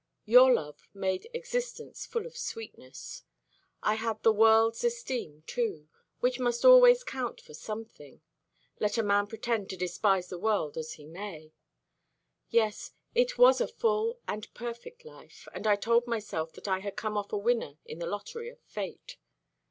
Your love made existence full of sweetness. I had the world's esteem too, which must always count for something, let a man pretend to despise the world as he may. Yes; it was a full and perfect life, and I told myself that I had come off a winner in the lottery of Fate.